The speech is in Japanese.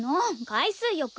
海水浴！